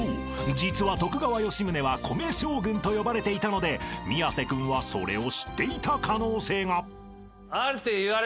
実は徳川吉宗は米将軍と呼ばれていたので宮世君はそれを知っていた可能性が］